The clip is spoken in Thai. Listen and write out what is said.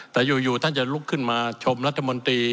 แต่อยู่ท่านจะลุกขึ้นมาชมรัฐมนตรี